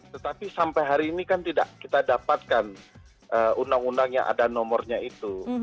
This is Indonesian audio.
tetapi sampai hari ini kan tidak kita dapatkan undang undang yang ada nomornya itu